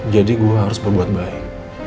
jadi saya harus berbuat baik